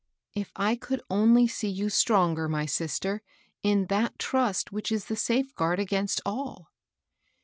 " If I could only see you stronger, my sister, in that trust which is the safeguard against all."